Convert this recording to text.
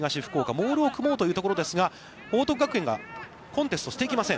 モールを組もうというところですが、報徳学園がコンテストしていきません。